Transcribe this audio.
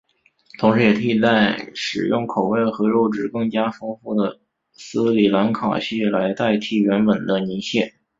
同时也替代使用口味和肉质更加丰富的斯里兰卡蟹来代替原本的泥蟹。